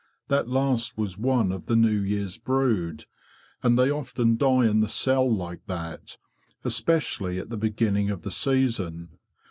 That last was one of the New Year's brood, and they often die in the cell like that, especially at the beginning of the season.